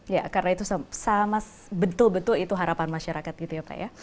ya karena itu sama betul betul itu harapan masyarakat gitu ya pak ya